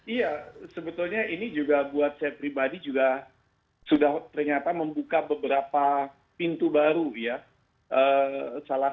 iya sebetulnya ini juga buat saya pribadi juga sudah ternyata membuka beberapa pintu baru ya